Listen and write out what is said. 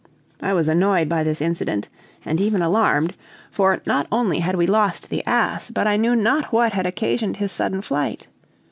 I was annoyed by this incident, and even alarmed; for not only had we lost the ass, but I knew not what had occasioned his sudden flight.